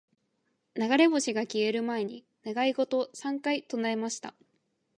•流れ星が消える前に、願い事を三回唱えました。